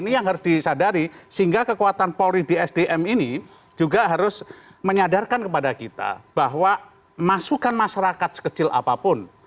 ini yang harus disadari sehingga kekuatan polri di sdm ini juga harus menyadarkan kepada kita bahwa masukan masyarakat sekecil apapun